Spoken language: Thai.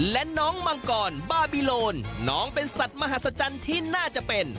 และน้องมังกรบาบิโลนน้องเป็นสัตว์มหัศจรรย์ที่น่าจะเป็น